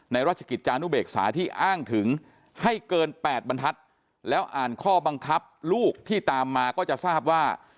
ราชกิจจานุเบกษาที่อ้างถึงให้เกิน๘บรรทัศน์แล้วอ่านข้อบังคับลูกที่ตามมาก็จะทราบว่า